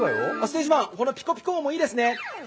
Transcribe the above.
このピコピコ音もいいですね。